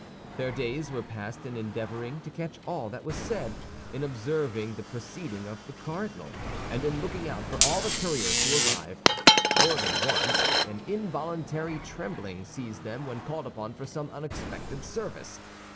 Their days were passed in endeavoring to catch all that was said, in observing the proceeding of the cardinal, and in looking out for all the couriers who arrived. More than once an involuntary trembling seized them when called upon for some unexpected service.